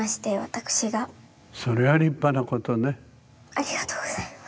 ありがとうございます。